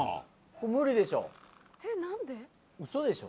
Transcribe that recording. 無理でしょ。